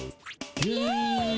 イエイ！